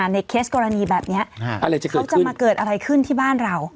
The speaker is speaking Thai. เคสกรณีแบบนี้เขาจะมาเกิดอะไรขึ้นที่บ้านเรา